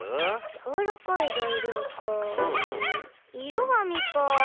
やわらかいざいりょうかうんいろがみか。